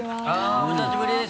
お久しぶりです。